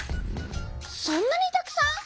そんなにたくさん！